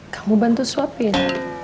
kamu bantu suapin